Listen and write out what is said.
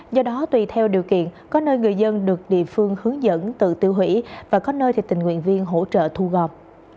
do đó tùy theo điều kiện có nơi người dân được địa phương hướng dẫn tự tiêu hủy và có nơi thì tình nguyện viên hỗ trợ thu gò